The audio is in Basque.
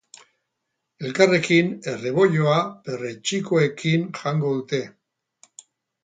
Elkarrekin, erreboiloa perretxikoekin jango dute.